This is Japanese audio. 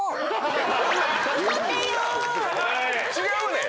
違うねん！